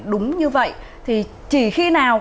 đúng như vậy thì chỉ khi nào